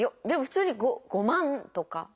でも普通に５万とか。